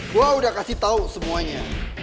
gue udah kasih tau semuanya